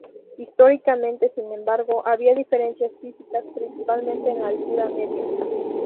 Históricamente, sin embargo, había diferencias físicas, principalmente en la altura media.